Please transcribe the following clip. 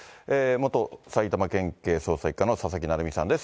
元埼玉県警捜査１課の佐々木成三さんです。